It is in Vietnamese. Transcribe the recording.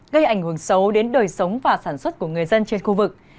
gây ảnh hưởng xấu đến đời sống và sản xuất của người dân trên khu vực